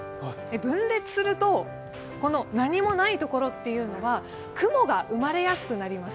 分裂すると、この何もないところというのは、雲が生まれやすくなります。